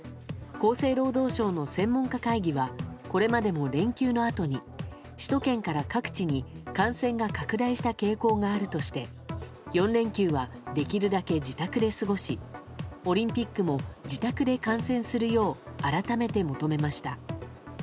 厚生労働省の専門家会議はこれまでも連休のあとに首都圏から各地に感染が拡大した傾向があるとして４連休はできるだけ自宅で過ごしオリンピックも自宅で観戦するよう改めて求めました。